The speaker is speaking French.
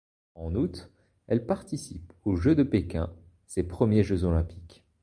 En août, elle participe aux Jeux de Pékin, ses premiers Jeux olympiques.